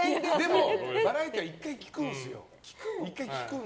でも、バラエティーは１回聞くんですよ。